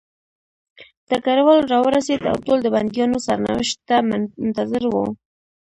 ډګروال راورسېد او ټول د بندیانو سرنوشت ته منتظر وو